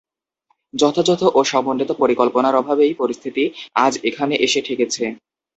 যথাযথ ও সমন্বিত পরিকল্পনার অভাবেই পরিস্থিতি আজ এখানে এসে ঠেকেছে।